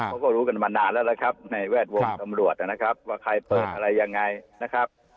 เขาก็รู้กันมานานแล้วล่ะครับในแวดวงตำรวจนะครับว่าใครเปิดอะไรยังไงนะครับ